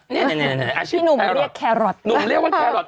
นี่อาชีพแครอทนุ่มเรียกว่าแครอท